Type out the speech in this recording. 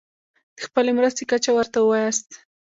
د خپلې مرستې کچه ورته ووایاست.